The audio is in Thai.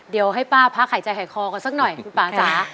เดี๋ยวให้ป้าพักหายใจหายคอกันสักหน่อยคุณป่าจ๋า